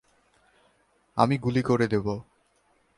আমি গুলি করে দেবো!